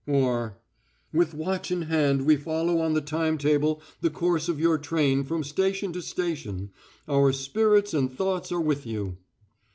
Or: "With watch in hand we follow on the timetable the course of your train from station to station. Our spirits and thoughts are with you."